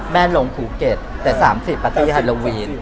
แม่ลงภูเก็ตแต่๓๐ปาร์ตี้ฮาโลวีน